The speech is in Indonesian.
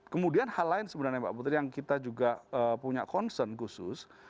kemudian hal lain sebenarnya mbak putri yang kita juga punya concern khusus